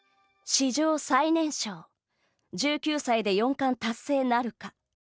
史上最年少１９歳で四冠達成なるか。